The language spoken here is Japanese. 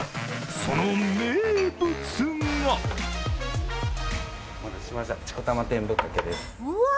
その名物がうわ！